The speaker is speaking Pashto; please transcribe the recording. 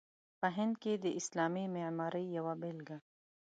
په هند کې د اسلامي معمارۍ یوه بېلګه.